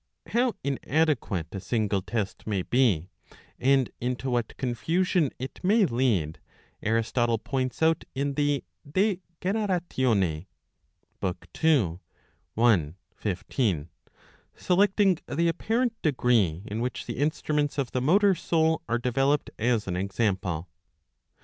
How inadequate a single test may be, and into what confusion it may lead, Aristotle points out in the De Generatione (ii. i, 15), selecting the apparent degree in which the instruments of the motor soul are deve loped as an example.